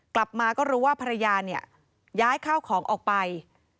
กลับมาก็รู้ว่าภรรยาเนี่ยย้ายข้าวของออกไป